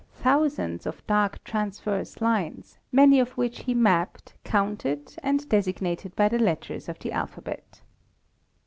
thousands of dark transverse lines, many of which he mapped, counted and designated by the letters of the al phabet.